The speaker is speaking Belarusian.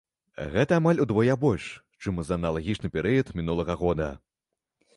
Гэта амаль удвая больш, чым за аналагічны перыяд мінулага года.